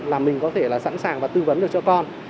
là mình có thể là sẵn sàng và tư vấn được cho con